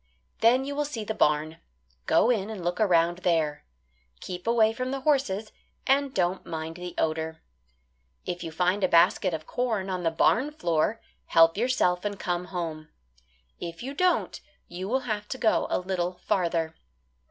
Then you will see the barn. Go in and look around there. Keep away from the horses and don't mind the odour. If you find a basket of corn on the barn floor, help yourself and come home. If you don't you will have to go a little farther.